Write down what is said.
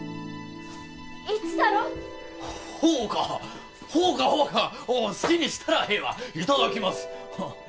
一太郎ッほうかほうかほうか好きにしたらええわいただきます